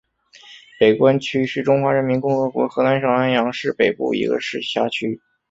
北关区是中华人民共和国河南省安阳市北部一个市辖区。